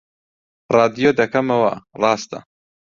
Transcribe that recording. ڕادیۆ دەکەمەوە، ڕاستە